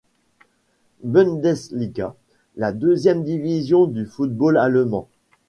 Bundesliga, la deuxième division du football allemand.